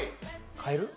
変える？